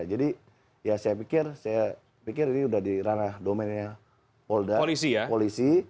jadi ya saya pikir ini udah diranah domennya polda polisi